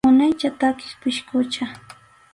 Munaycha takiq pisqucha.